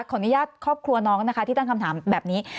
ขออนุญาตครอบครัวน้องนะคะที่ตั้งคำถามแบบนี้